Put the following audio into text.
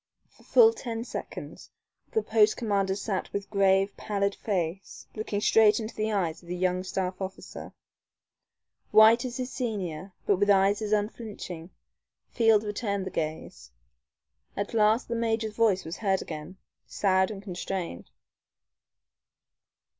For full ten seconds the post commander sat with grave, pallid face, looking straight into the eyes of his young staff officer. White as his senior, but with eyes as unflinching, Field returned the gaze. At last the major's voice was heard again, sad and constrained.